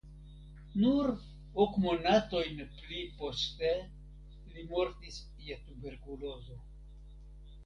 Nur ok monatojn pli poste li mortis je tuberkulozo.